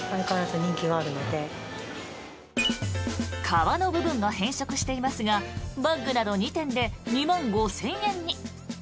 革の部分が変色していますがバッグなど２点で２万５０００円に。